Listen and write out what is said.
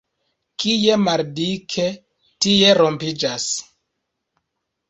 Kie maldike, tie rompiĝas.